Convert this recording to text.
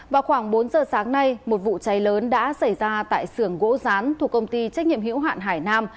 vào khoảng bốn giờ sáng nay một vụ cháy lớn đã xảy ra tại sưởng gỗ rán thuộc công ty trách nhiệm hữu hạn hải nam